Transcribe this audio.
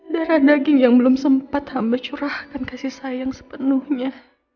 darah daging yang belum sempat hamba curahkan kasih sayang sepenuhnya